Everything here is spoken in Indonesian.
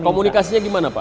komunikasinya gimana pak